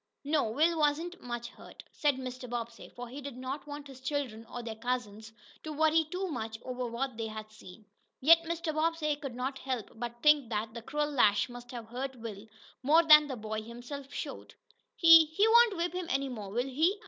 "No, Will wasn't much hurt," said Mr. Bobbsey, for he did not want his children, or their cousins, to worry too much over what they had seen. Yet Mr. Bobbsey could not help but think that the cruel lash must have hurt Will more than the boy himself showed. "He he won't whip him any more, will he?"